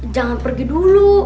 jangan pergi dulu